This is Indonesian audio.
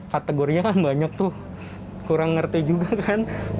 kategorinya kan banyak tuh kurang ngerti juga kan